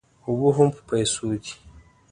اوبه هم په پیسو دي.